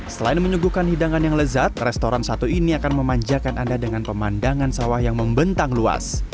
selain menyuguhkan hidangan yang lezat restoran satu ini akan memanjakan anda dengan pemandangan sawah yang membentang luas